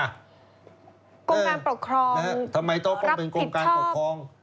กรุงการปกครองรับผิดชอบทำไมต้องเป็นกรุงการปกครอง